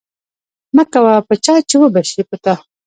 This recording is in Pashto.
مه کوه په چا، چی وبه شي په تا